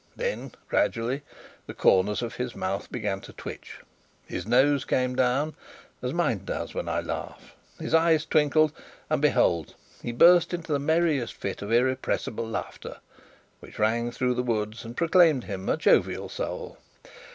Then, gradually, the corners of his mouth began to twitch, his nose came down (as mine does when I laugh), his eyes twinkled, and, behold! he burst into the merriest fit of irrepressible laughter, which rang through the woods and proclaimed him a jovial soul.